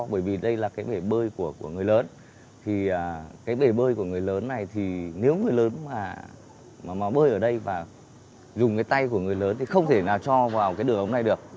bởi vì đây là cái bể bơi của người lớn thì cái bể bơi của người lớn này thì nếu người lớn mà bơi ở đây và dùng cái tay của người lớn thì không thể nào cho vào cái đường ống này được